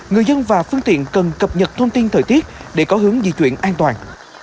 người dân và phương tiện cần cập nhật thông tin thời tiết để có hướng di chuyển an toàn